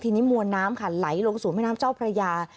ทีนี้มัวน้ำค่ะไหลลงสู่เมืองท่อประญา